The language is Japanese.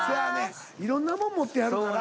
いろんなもん持ってはるから。